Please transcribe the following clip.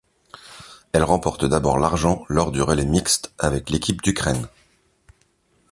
Elle remporte d'abord l'argent lors du relais mixte, avec l'équipe d'Ukraine.